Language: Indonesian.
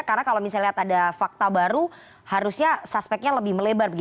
karena kalau misalnya ada fakta baru harusnya suspeknya lebih melebar